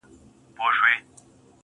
د فکرونه، ټوله مزخرف دي